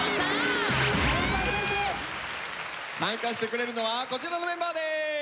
参加してくれるのはこちらのメンバーです。